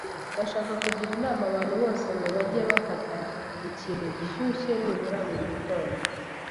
Ndashaka kugira inama abantu bose ngo bajye bafata ikintu gishyushye nibura buri gitondo.